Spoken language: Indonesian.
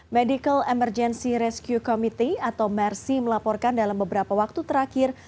medical emergency rescue committee atau mersi melaporkan dalam beberapa waktu terakhir